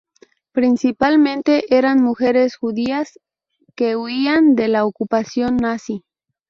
Principalmente eran mujeres judías que huían de la ocupación nazi.